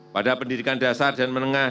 pada pendidikan dasar dan menengah